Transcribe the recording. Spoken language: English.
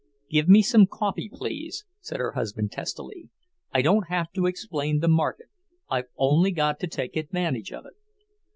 "Give me some coffee, please," said her husband testily. "I don't have to explain the market, I've only got to take advantage of it."